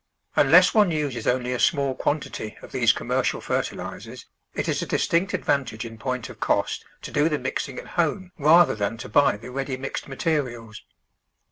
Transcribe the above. Unless one uses only a small quan tity of these commercial fertilisers it is a distinct advantage in point of cost to do the mixing at home rather than to buy the ready mixed materials.